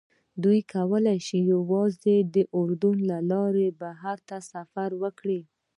دوی کولی شي یوازې د اردن له لارې بهر ته سفر وکړي.